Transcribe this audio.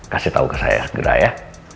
kasih tahu ke saya gerak ya